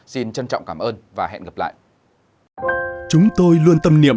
xin trân trọng cảm ơn và hẹn gặp lại